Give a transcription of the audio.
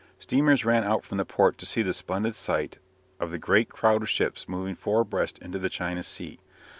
Steamers ran out from the port to see the splendid sight of the great crowd of ships moving four abreast into the China Sea.